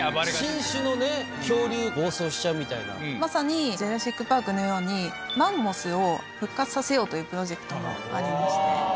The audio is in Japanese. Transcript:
まさに『ジュラシック・パーク』のようにマンモスを復活させようというプロジェクトもありまして。